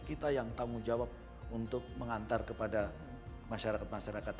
kita yang tanggung jawab untuk mengantar kepada masyarakat masyarakat